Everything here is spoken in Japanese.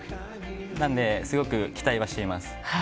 なので、すごく期待はしています。